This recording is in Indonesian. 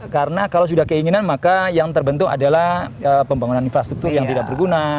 karena kalau sudah keinginan maka yang terbentuk adalah pembangunan infrastruktur yang tidak berguna